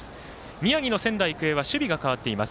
宮城の仙台育英は守備が変わっています。